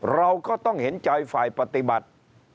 เราก็ต้องเห็นใจฝ่ายปฏิบัติ